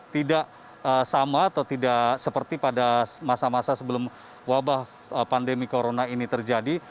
tidak sama atau tidak seperti pada masa masa sebelum wabah pandemi corona ini terjadi